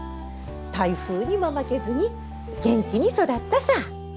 台風にも負けずに元気に育ったさ。